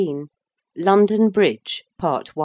15. LONDON BRIDGE. PART I.